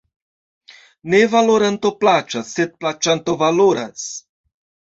Ne valoranto plaĉas, sed plaĉanto valoras.